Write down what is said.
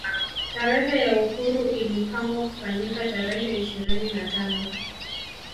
Tarehe ya uhuru ilapangwa kufanyika tarehe ishirini na tano